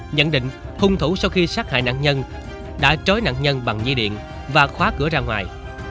nhận định hung thủ sau khi sát hại nạn nhân đã trói nạn nhân bằng dây điện và khóa cửa ra ngoài